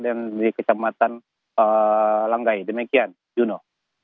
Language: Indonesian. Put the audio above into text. dan di kecamatan langgai demikian juno